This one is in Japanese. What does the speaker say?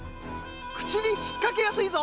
くちにひっかけやすいぞ！